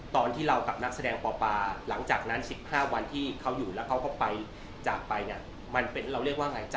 ตอนที่เรากับนักแสดงป่าหลังจากนั้น๑๕วันที่เขาอยู่แล้วเขาก็ไปจากไปเนี่ย